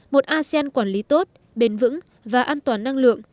một asean quản lý tốt bền vững và an toàn năng lượng